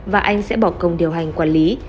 và anh sẽ bỏ công điều hành quản lý